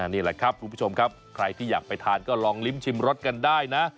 นี่แหละครับคุณผู้ชมครับใครที่อยากไปทานก็ลองลิ้มชิมรสกันได้นะ